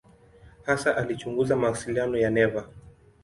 Hasa alichunguza mawasiliano ya neva.